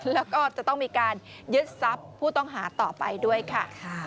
แล้วก็จะต้องมีการยึดทรัพย์ผู้ต้องหาต่อไปด้วยค่ะ